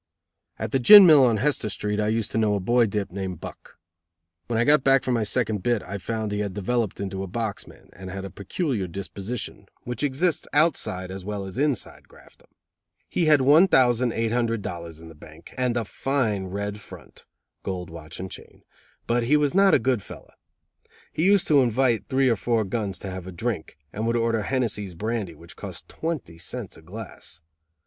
At the gin mill on Hester Street, I used to know a boy dip named Buck. When I got back from my second bit I found he had developed into a box man, and had a peculiar disposition, which exists outside, as well as inside, Graftdom. He had one thousand eight hundred dollars in the bank, and a fine red front (gold watch and chain), but he was not a good fellow. He used to invite three or four guns to have a drink, and would order Hennessy's brandy, which cost twenty cents a glass.